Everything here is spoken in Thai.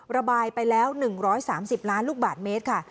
ระบายไปแล้ว๑๓๐ล้านลูกบาทเมตรค่ะ